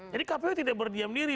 jadi kpu tidak berdiam diri